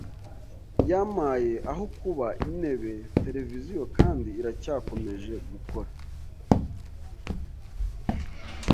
yampaye aho kuba , intebe, televiziyo kandi iracyakomeje gukora